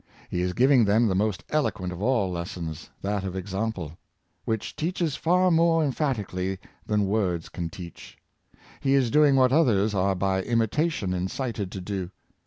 He is giving them the most eloquent of all lessons — that of example; which teaches far more emphatically than words can teach. He is doing what others are by imitation incited to do.